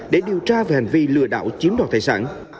để điều tra về hành vi lừa đảo chiếm đoàn thải sản